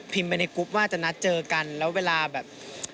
ไปในกรุ๊ปว่าจะนัดเจอกันแล้วเวลาแบบ